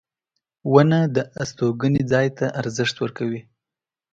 • ونه د استوګنې ځای ته ارزښت ورکوي.